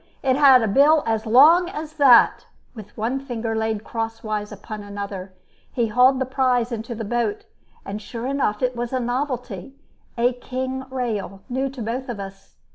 It had a bill as long as that," with one finger laid crosswise upon another. He hauled the prize into the boat, and sure enough, it was a novelty, a king rail, new to both of us.